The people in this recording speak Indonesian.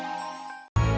nih makan ya pa